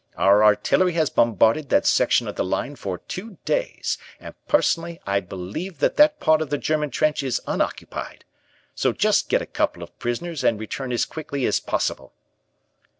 Our artillery has bombarded that section of the line for two days and personally I believe that that part of the German trench is unoccupied, so just get a couple of prisoners and return as quickly as possible."